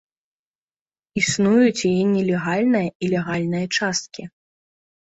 Існуюць яе нелегальная і легальная часткі.